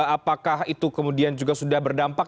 apakah itu kemudian juga sudah berdampak